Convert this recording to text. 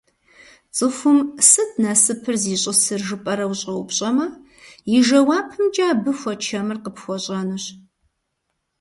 Цӏыхум «сыт насыпыр зищӏысыр?» жыпӏэрэ ущӏэупщӏэмэ, и жэуапымкӏэ абы хуэчэмыр къыпхуэщӏэнущ.